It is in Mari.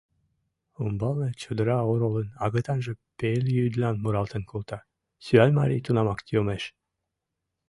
Умбалне чодыра оролын агытанже пелйӱдлан муралтен колта, Сӱанмарий тунамак йомеш...»